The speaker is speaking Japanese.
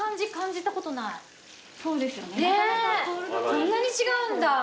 こんなに違うんだ。